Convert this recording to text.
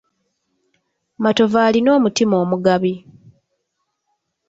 Matovu alina omutima omugabi.